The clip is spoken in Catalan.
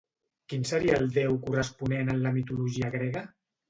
Quin seria el déu corresponent en la mitologia grega?